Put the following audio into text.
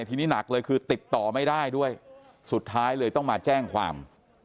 ทีนี้หนักเลยคือติดต่อไม่ได้ด้วยสุดท้ายเลยต้องมาแจ้งความ